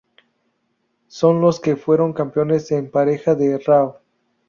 Son los que fueron Campeones en Pareja de Raw.